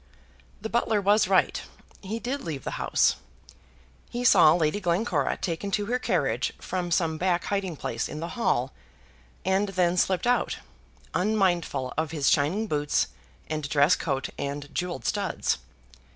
The butler was right. He did leave the house. He saw Lady Glencora taken to her carriage from some back hiding place in the hall, and then slipped out, unmindful of his shining boots, and dress coat and jewelled studs.